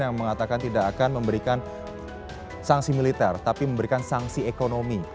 yang mengatakan tidak akan memberikan sanksi militer tapi memberikan sanksi ekonomi